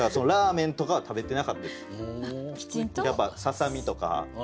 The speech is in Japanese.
やっぱささみとか。